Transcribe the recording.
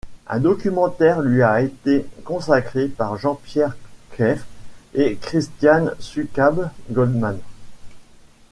Un documentaire lui a été consacré par Jean-Pierre Kreif et Christiane Succab-Goldman.